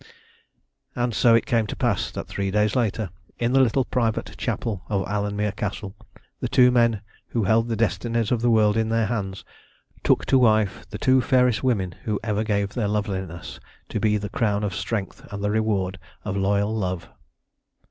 And so it came to pass that three days later, in the little private chapel of Alanmere Castle, the two men who held the destinies of the world in their hands, took to wife the two fairest women who ever gave their loveliness to be the crown of strength and the reward of loyal love.